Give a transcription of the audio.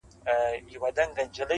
و مقام د سړیتوب ته نه رسېږې,